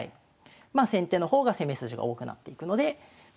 まあ先手の方が攻め筋が多くなっていくのではい。